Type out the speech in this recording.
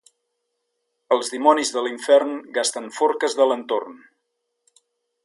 Els dimonis de l'infern gasten forques d'Alentorn.